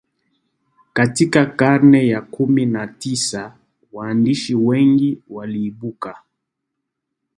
Katika karne ya kumi na tisa waandishi wengi waliibuka